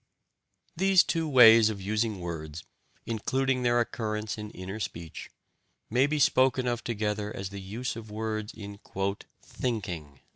These two ways of using words, including their occurrence in inner speech, may be spoken of together as the use of words in "thinking."